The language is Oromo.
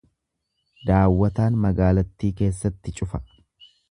Daawwataan magaalattii keessatti cufa.